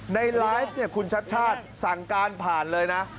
ในไลฟ์คุณชัดสั่งการผ่านเลยนะ